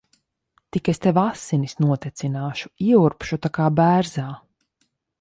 Tik es tev asinis notecināšu. Ieurbšu tā kā bērzā.